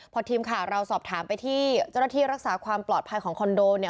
พอทีมข่าวเราสอบถามไปที่เจ้าหน้าที่รักษาความปลอดภัยของคอนโดเนี่ย